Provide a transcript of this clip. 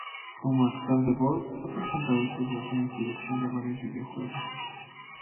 Como actor de voz, ha prestado su voz en la producción de varios videojuegos.